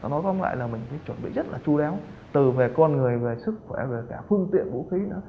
nói tóm lại là mình phải chuẩn bị rất là chú đáo từ về con người về sức khỏe về cả phương tiện vũ khí nữa